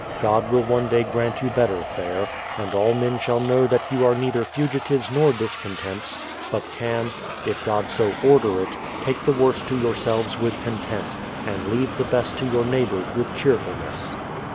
God will one day grant you better fare ; and all men shall know that you are neither fugitives nor discontents, but can, if God so order it, take the v/orst to yourselves with content, and leave the best to your neighbours with cheerfulness.